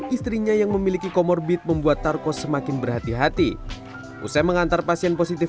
istrinya yang memiliki comorbid membuat tarkos semakin berhati hati usai mengantar pasien positif